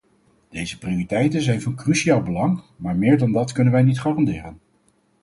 Deze prioriteiten zijn van cruciaal belang, maar meer dan dat kunnen wij niet garanderen.